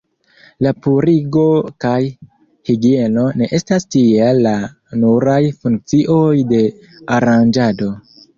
La purigo kaj higieno ne estas tiele la nuraj funkcioj de Aranĝado.